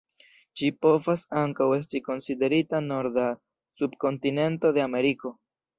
Ĝi povas ankaŭ esti konsiderita norda subkontinento de Ameriko.